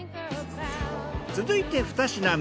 続いてふた品目。